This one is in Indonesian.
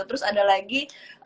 terus ada lagi